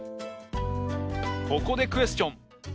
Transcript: ここでクエスチョン。